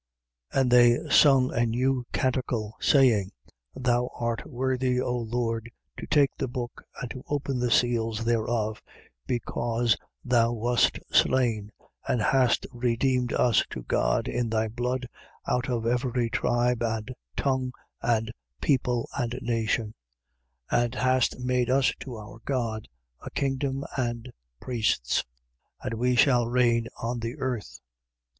And they sung a new canticle, saying: Thou art worthy, O Lord, to take the book and to open the seals thereof: because thou wast slain and hast redeemed us to God, in thy blood, out of every tribe and tongue and people and nation: 5:10. And hast made us to our God a kingdom and priests, and we shall reign on the earth.